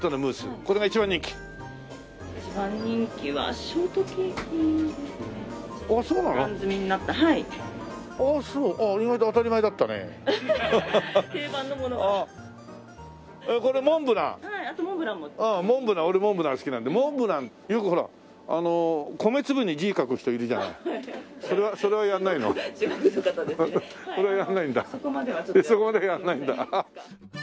そこまではやらないんだ。